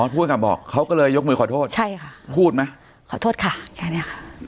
ถ้วยกลับบอกเขาก็เลยยกมือขอโทษใช่ค่ะพูดไหมขอโทษค่ะแค่เนี้ยค่ะ